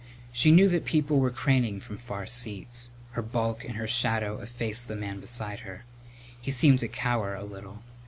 She knew that people were craning from far seats. Her bulk and her shadow effaced the man beside her. He seemed to cower a little.